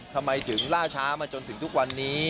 ทำไมถึงล่าช้ามาจนถึงทุกวันนี้